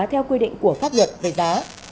theo quy định của pháp luật về giá